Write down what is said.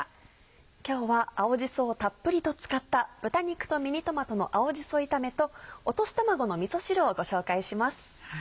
今日は青じそをたっぷりと使った「豚肉とミニトマトの青じそ炒め」と「落とし卵のみそ汁」をご紹介します。